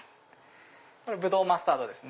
これぶどうマスタードですね。